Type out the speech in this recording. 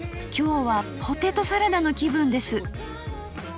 今日はポテトサラダの気分です。